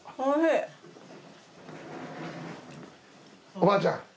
おばあちゃん。